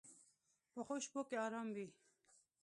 پخو شپو کې آرام وي